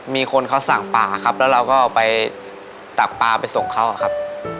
มีคนเขาสั่งป่าครับแล้วเราก็ไปตักปลาไปส่งเขาครับ